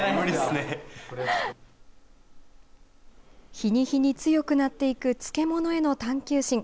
日に日に強くなっていく漬物への探究心。